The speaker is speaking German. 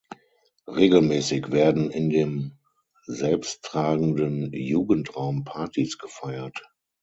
Regelmäßig werden in dem selbsttragenden Jugendraum Partys gefeiert.